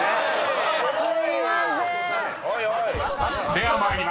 ［では参ります］